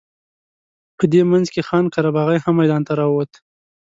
په دې منځ کې خان قره باغي هم میدان ته راووت.